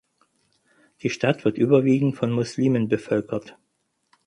Die Stadt wird überwiegend von Muslimen bevölkert.